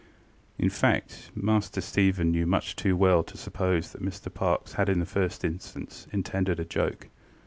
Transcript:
ŌĆØ In fact, Master Stephen knew much too well to suppose that Mr Parkes had in the first instance intended a joke.